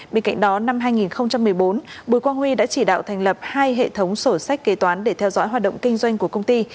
bên cạnh đó năm hai nghìn một mươi bốn bùi quang huy đã chỉ đạo thành lập hai hệ thống sổ sách kế toán để theo dõi hoạt động kinh doanh của công ty